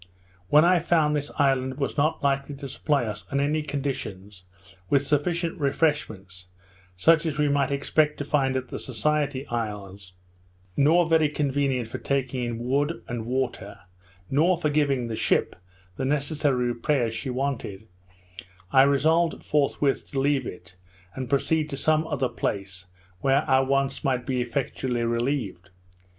When I found this island was not likely to supply us, on any conditions, with sufficient refreshments, such as we might expect to find at the Society Isles, nor very convenient for taking in wood and water, nor for giving the ship the necessary repairs she wanted, I resolved forthwith to leave it, and proceed to some other place, where our wants might be effectually relieved.